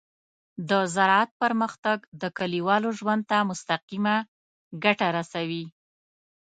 د زراعت پرمختګ د کليوالو ژوند ته مستقیمه ګټه رسوي.